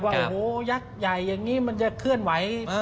ว่าโอ้โหยักษ์ใหญ่อย่างนี้มันจะเคลื่อนไหว